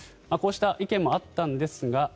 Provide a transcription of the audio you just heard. こうした意見もあったんですが